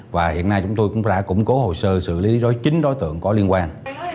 và hiện nay chúng tôi cũng đã củng cố hồ sơ xử lý đó chính đối tượng có liên quan